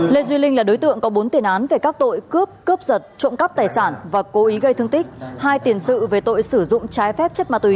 lê duy linh là đối tượng có bốn tiền án về các tội cướp cướp giật trộm cắp tài sản và cố ý gây thương tích hai tiền sự về tội sử dụng trái phép chất ma túy